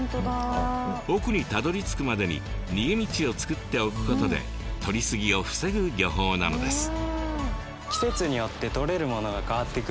奥にたどりつくまでに逃げ道を作っておくことでとり過ぎを防ぐ漁法なのです。